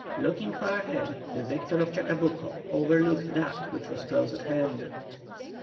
Looking far ahead, the victor of Chacabuco overlooked that which was close at hand.